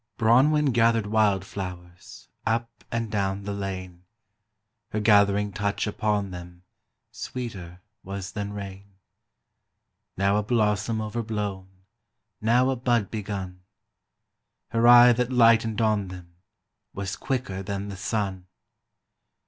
Bronwen gathered wild flowers Up and down the lane; Her gathering touch upon them Sweeter was than rain. Now a blossom overblown, Now a bud begun Her eye that lightened on them Was quicker than the sun.